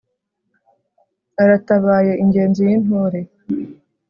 aratabaye ingenzi y'intore